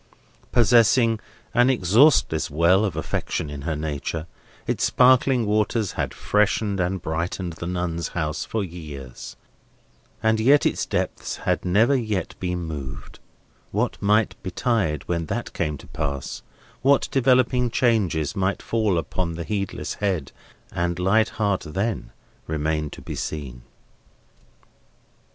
Possessing an exhaustless well of affection in her nature, its sparkling waters had freshened and brightened the Nuns' House for years, and yet its depths had never yet been moved: what might betide when that came to pass; what developing changes might fall upon the heedless head, and light heart, then; remained to be seen.